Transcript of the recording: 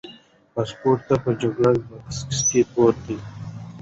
پاسپورت په جګري بکس کې پروت دی.